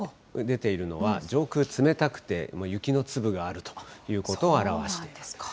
出ているのは、上空、冷たくて、雪の粒があるということを表しています。